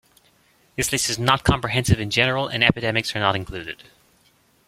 This list is not comprehensive in general, and epidemics are not included.